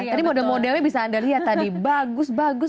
tadi model modelnya bisa anda lihat tadi bagus bagus